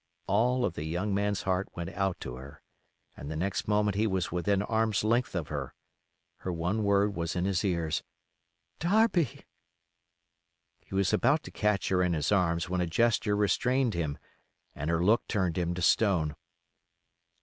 All of the young man's heart went out to her, and the next moment he was within arm's length of her. Her one word was in his ears: "Darby!" He was about to catch her in his arms when a gesture restrained him, and her look turned him to stone.